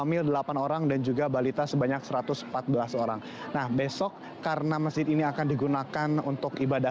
masjid ini akan digunakan untuk ibadah